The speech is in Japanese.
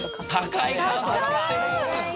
高いカード買ってる。